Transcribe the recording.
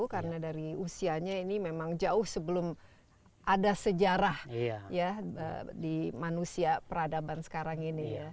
karena dari usianya ini memang jauh sebelum ada sejarah di manusia peradaban sekarang ini